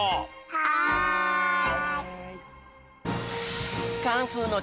はい！